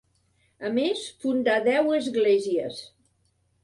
A més, fundà deu esglésies.